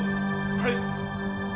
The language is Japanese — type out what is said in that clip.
はい。